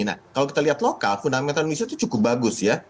nah kalau kita lihat lokal fundamental indonesia itu cukup bagus ya